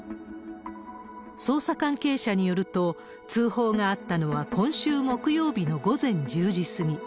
捜査関係者によると、通報があったのは今週木曜日の午前１０時過ぎ。